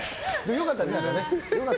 良かったね。